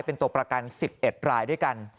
เป็นตัวประกัน๑๑รายด้วยกัน